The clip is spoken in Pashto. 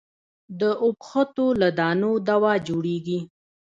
د اوبښتو له دانو دوا جوړېږي.